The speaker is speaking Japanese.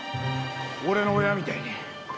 俺の親みたいに。